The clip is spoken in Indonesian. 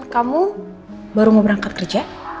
kamu baru mau berangkat kerja